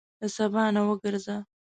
له سبا نه وګرځه.